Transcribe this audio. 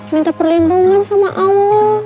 minta perlindungan sama allah